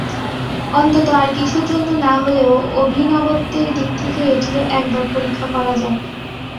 অন্তত আর কিছুর জন্য না হলেও অভিনবত্বের দিক থেকে এটিরও একবার পরীক্ষা করা যাক।